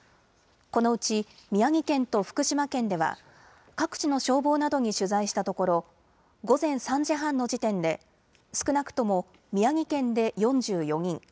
このうち宮城県と福島県では各地の消防などに取材したところ午前３時半の時点で少なくとも宮城県で４４人